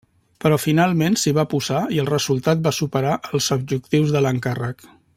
Però finalment s'hi va posar i el resultat va superar els objectius de l'encàrrec.